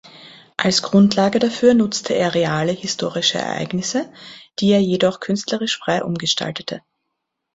Als Grundlage dafür nutzte er reale historische Ereignisse, die er jedoch künstlerisch frei umgestaltete.